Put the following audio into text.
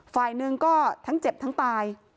ฝ่ายหนึ่งก็ทั้งเจ็บทั้งตาย